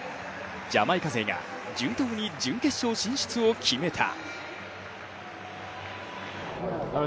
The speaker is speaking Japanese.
ジャマイカ勢が順当に準決勝進出を決めた。